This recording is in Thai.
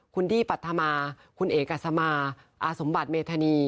คุณดี้ปัธมาคุณเอกัสมาอาสมบัติเมธานี